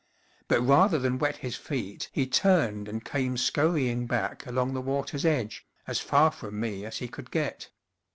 But rather than wet his feet he turned and came scurrying back along the water's edge, as far from me as he could get.